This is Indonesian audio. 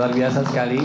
luar biasa sekali